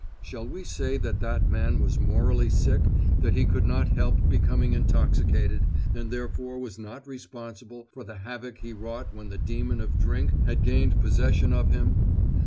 Shall we say that that man was morally sick, that he could not help becoming intoxicated, and therefore was not responsible for the havoc he wrought when the demon of drink had gained possession of him?